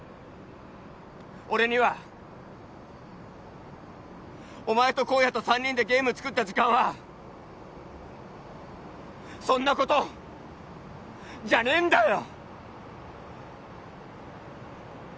俺にはお前と公哉と三人でゲーム作った時間はそんなことじゃねえんだよ！